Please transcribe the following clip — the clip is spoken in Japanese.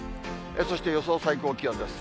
そして予想最高気温です。